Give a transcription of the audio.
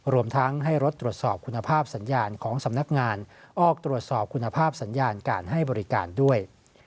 รวมทั้งให้รถตรวจสอบคุณภาพสัญญาณของสำนักงานออกตรวจสอบคุณภาพสัญญาณการให้บริการด้วย